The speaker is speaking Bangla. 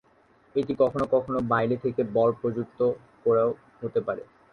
এটি কখনো কখনো বাইরে থেকে বল প্রযুক্ত করেও হতে পারে।